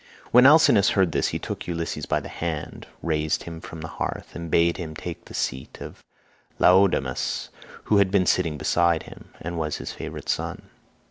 When Alcinous heard this he took Ulysses by the hand, raised him from the hearth, and bade him take the seat of Laodamas, who had been sitting beside him, and was his favourite son.